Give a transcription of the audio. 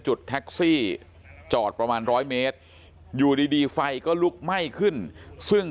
แท็กซี่จอดประมาณร้อยเมตรอยู่ดีดีไฟก็ลุกไหม้ขึ้นซึ่ง